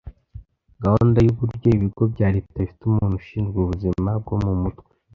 Gahunda y uburyo ibigo bya leta bifite umuntu ushinzwe ubuzima bwo mu mutwe